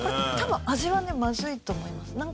多分味はねまずいと思います。